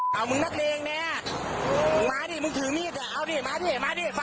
ทำไมต้องถือมีดละ